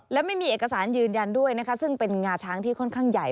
และไม่มีเอกสารยืนยันด้วยนะคะซึ่งเป็นงาช้างที่ค่อนข้างใหญ่